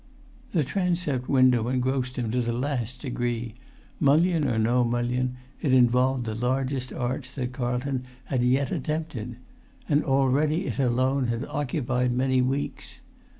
The transept window engrossed him to the last degree; mullion or no mullion, it involved the largest arch that Carlton had yet attempted; and already it alone had occupied many weeks.